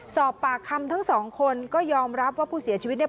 สอบปากคำทั้งสองคนก็ยอมรับว่าผู้เสียชีวิตเนี่ย